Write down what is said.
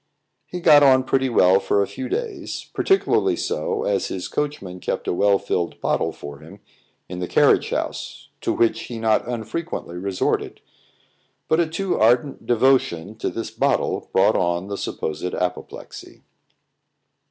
He got on pretty well for a few days, particularly so, as his coachman kept a well filled bottle for him in the carriage house, to which he not unfrequently resorted; but a too ardent devotion to this bottle brought on the supposed apoplexy.